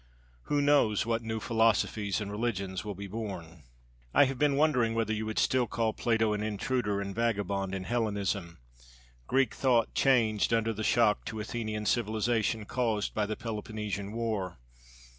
Who knows what new philosophies and religions will be born? I have been wondering whether you would still call Plato an intruder and vagabond in Hellenism. Greek thought changed under the shock to Athenian civilization caused by the Peloponnesian War.